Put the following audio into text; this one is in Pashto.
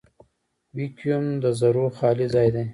ویکیوم د ذرّو خالي ځای دی.